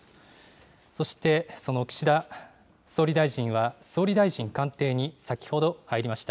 そして、その岸田総理大臣は、総理大臣官邸に先ほど入りました。